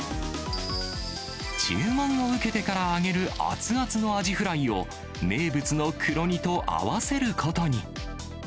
注文を受けてから揚げる熱々のアジフライを名物の黒煮と合わせることに。